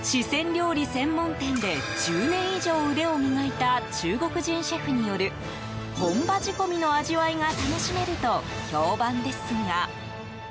料理専門店で１０年以上腕を磨いた中国人シェフによる本場仕込みの味わいが楽しめると評判ですが。